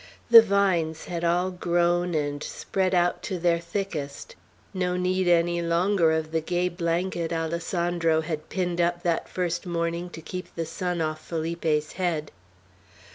The vines had all grown and spread out to their thickest; no need any longer of the gay blanket Alessandro had pinned up that first morning to keep the sun off Felipe's head.